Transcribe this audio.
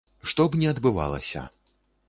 Што б не адбывалася.